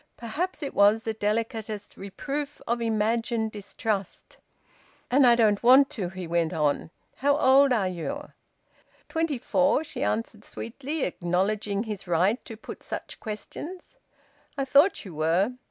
Perhaps it was the delicatest reproof of imagined distrust. "And I don't want to," he went on. "How old are you?" "Twenty four," she answered sweetly, acknowledging his right to put such questions. "I thought you were."